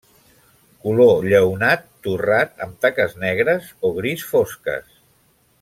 Color: lleonat, torrat amb taques negres o gris fosques.